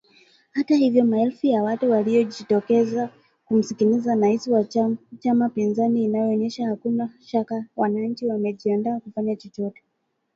Hata hivyo maelfu ya watu waliojitokeza kumsikiliza rais wa chama pinzani inaonyesha hakuna shaka wananchi wamejiandaa kufanya chochote